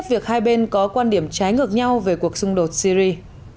cuộc xung đột syri